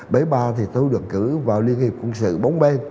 bế ba thì tôi được cử vào liên hiệp quân sự bốn bên